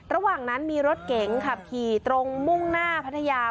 ระหว่างนั้นมีรถเก๋งขับขี่ตรงมุ่งหน้าพัทยา